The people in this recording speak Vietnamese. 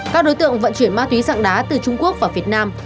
các đối tượng vận chuyển ma túi sạng đá từ trung quốc và việt nam